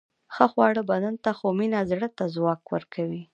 ښه خواړه بدن ته، خو مینه زړه ته ځواک ورکوي.